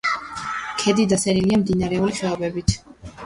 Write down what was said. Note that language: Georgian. ქედი დასერილია მდინარეული ხეობებით.